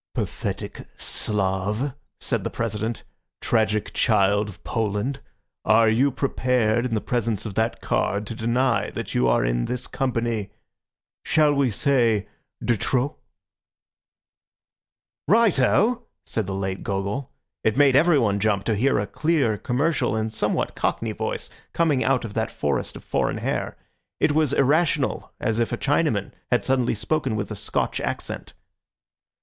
"Pathetic Slav," said the President, "tragic child of Poland, are you prepared in the presence of that card to deny that you are in this company—shall we say de trop?" "Right oh!" said the late Gogol. It made everyone jump to hear a clear, commercial and somewhat cockney voice coming out of that forest of foreign hair. It was irrational, as if a Chinaman had suddenly spoken with a Scotch accent.